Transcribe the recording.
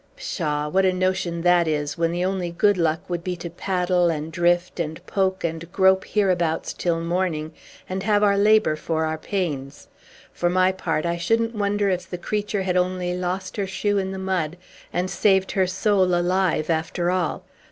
Pshaw! What a notion that is, when the only good luck would be to paddle, and drift, and poke, and grope, hereabouts, till morning, and have our labor for our pains! For my part, I shouldn't wonder if the creature had only lost her shoe in the mud, and saved her soul alive, after all.